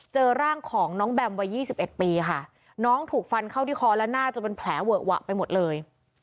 เจอร่างของน้องแบมวัย๒๑ปีค่ะน้องถูกฟันเข้าที่คอและหน้าจนเป็นแผลเวอะหวะไปหมดเลย